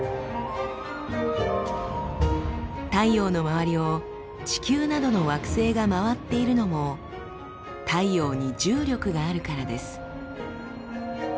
太陽の周りを地球などの惑星が回っているのも太陽に重力があるからです。